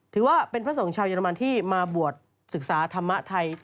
ถือว่าเป็นพระสงฆ์ชาวเยอรมันที่มาบวชศึกษาธรรมะไทย